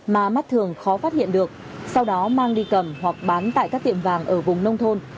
mà mắt thường khó phát hiện được sau đó mang đi cầm hoặc bán tại các tiệm vàng ở vùng nông thôn